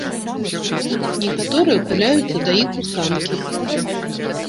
Некаторыя куляюцца да іх у санкі.